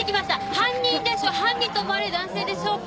犯人犯人と思われる男性でしょうか。